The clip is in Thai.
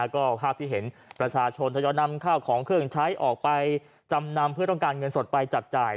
ก็ภาพที่เห็นประชาชนทยอยนำข้าวของเครื่องใช้ออกไปจำนำเพื่อต้องการเงินสดไปจับจ่าย